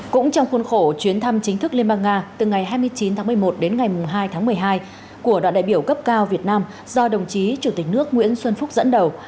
cũng trong khuôn khổ chuyến thăm chính thức liên bang nga từ ngày hai mươi chín tháng một mươi một đến ngày hai tháng một mươi hai của đoàn đại biểu cấp cao việt nam do đồng chí chủ tịch nước nguyễn xuân phúc dẫn đầu